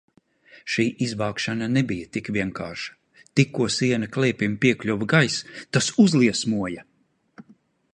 Šī izvākšana nebija tik vienkārša, tikko siena klēpim piekļuva gaiss, tas uzliesmoja.